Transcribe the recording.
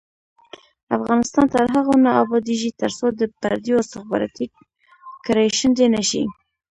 افغانستان تر هغو نه ابادیږي، ترڅو د پردیو استخباراتي کړۍ شنډې نشي.